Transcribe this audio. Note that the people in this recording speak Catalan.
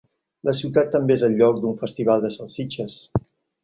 La ciutat també és el lloc d'un festival de salsitxes.